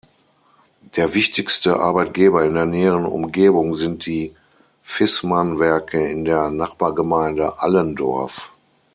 Der wichtigste Arbeitgeber in der näheren Umgebung sind die Viessmann-Werke in der Nachbargemeinde Allendorf.